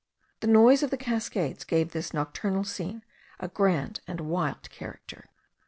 The noise of the cascades gave this nocturnal scene a grand and wild character.